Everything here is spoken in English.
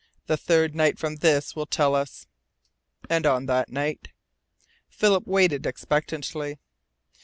The third night from this will tell us." "And on that night " Philip waited expectantly.